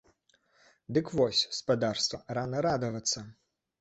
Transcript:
Дык вось, спадарства, рана радавацца!